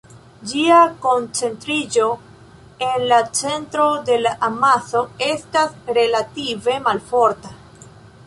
Ĝia koncentriĝo en la centro de la amaso estas relative malforta.